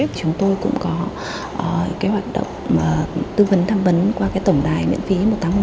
chúng tôi cũng có hoạt động tư vấn tham vấn qua tổng đài miễn phí một nghìn tám trăm linh tám nghìn tám mươi